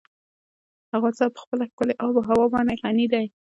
افغانستان په خپله ښکلې آب وهوا باندې غني دی.